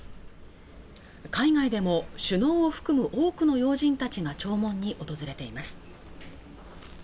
海外でも首脳を含む多くの要人たちが弔問に訪れています